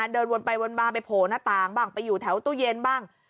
เดินวนไปวนมาไปโผล่หน้าต่างบ้างไปอยู่แถวตู้เย็นบ้าง